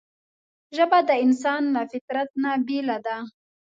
ژبه د انسان له فطرته نه بېله ده